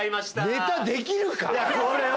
ネタできるか？